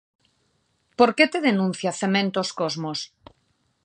Por que te denuncia Cementos Cosmos?